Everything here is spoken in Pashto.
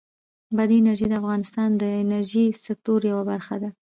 بادي انرژي د افغانستان د انرژۍ د سکتور یوه برخه ده.